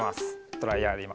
ドライヤーでいま。